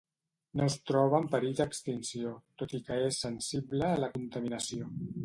No es troba en perill d'extinció, tot i que és sensible a la contaminació.